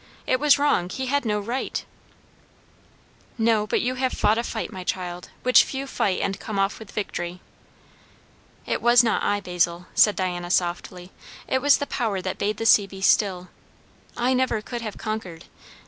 It was wrong. He had no right." "No; but you have fought a fight, my child, which few fight and come off with victory." "It was not I, Basil," said Diana softly. "It was the power that bade the sea be still. I never could have conquered.